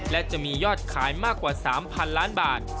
และจะมียอดขายมากกว่า๓๐๐๐ล้านบาท